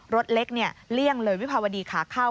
รถเล็กเนี่ยเลี่ยงเลยวิภาวดีขาเข้า